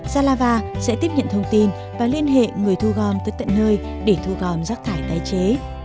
ralava sẽ tiếp nhận thông tin và liên hệ người thu gom tới tận nơi để thu gom rác thải tái chế